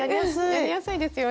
やりやすいですよね。